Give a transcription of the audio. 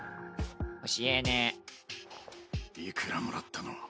（三日月いくらもらったの？